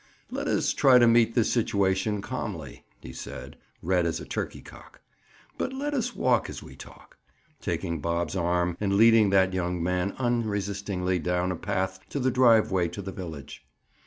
"Let us try to meet this situation calmly," he said, red as a turkey cock. "But let us walk as we talk," taking Bob's arm and leading that young man unresistingly down a path to the driveway to the village.